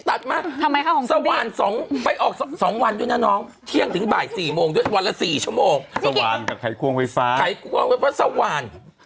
แล้วก็ได้ไอ้เตียงเปล่ารมเออหนูเตียงเปล่ารมมา